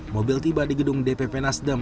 mobil tiba di gedung dpp nasdem